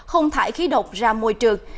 không thải khí độc ra môi trường